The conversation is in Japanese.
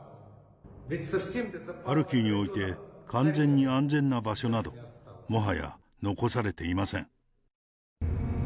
ハルキウにおいて、完全に安全な場所などもはや残されていません。